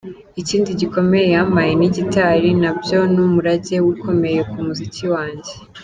Ikindi gikomeye yampaye ni gitari, nabyo ni umurage ukomeye ku muziki wanjye”.